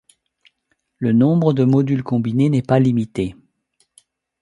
Le nombre de modules combinés n'est pas limité.